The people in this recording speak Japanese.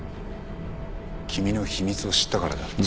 君の秘密を知ったからだ。